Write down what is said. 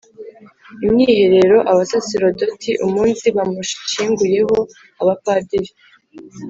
imyiherero abasaserdotib’ umunsi bamushyinguyeho, abapadiri